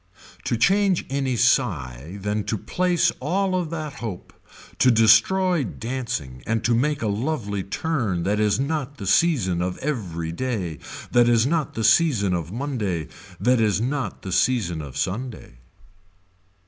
To change any sigh, then to place all of that hope, to destroy dancing and to make a lovely turn that is not the season of every day, that is not the season of Monday, that is not the season of Sunday.